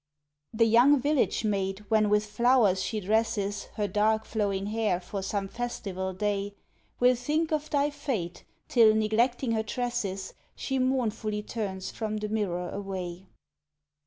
The young village maid, when with flowers she dresses Her dark flowing hair for some festival day, Will think of thy fate till, neglecting her tresses, She mournfully turns from the mirror away.